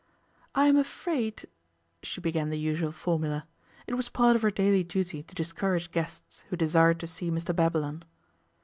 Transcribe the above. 'I am afraid ,' she began the usual formula. It was part of her daily duty to discourage guests who desired to see Mr Babylon.